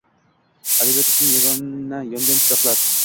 Abadiyat uchun yongan chiroqlar.